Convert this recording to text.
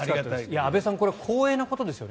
安部さん、光栄なことですよね。